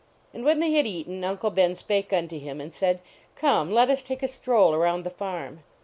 And when they had eaten, Uncle Ben spake unto him and said, " Come, let us take a stroll around the farm."